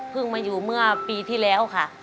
มาอยู่เมื่อปีที่แล้วค่ะ